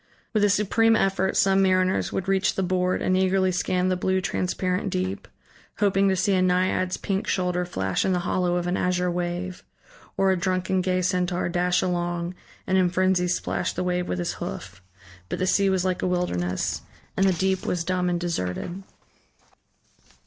With a supreme effort some mariners would reach the board and eagerly scan the blue, transparent deep, hoping to see a naiad's pink shoulder flash in the hollow of an azure wave, or a drunken gay centaur dash along and in frenzy splash the wave with his hoof. But the sea was like a wilderness, and the deep was dumb and deserted.